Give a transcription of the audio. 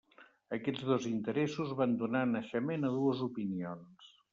Aquests dos interessos van donar naixement a dues opinions.